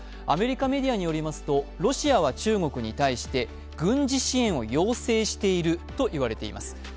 アメリカメディアによりますとロシアは中国に対して軍事支援を要請しているといわれています。